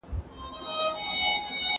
د بهرنيانو د راتګ يوه شپه